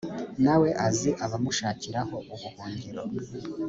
nawe azi abamushakiraho ubuhungiro